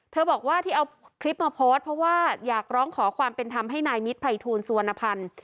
บอกว่าที่เอาคลิปมาโพสต์เพราะว่าอยากร้องขอความเป็นธรรมให้นายมิตรภัยทูลสุวรรณภัณฑ์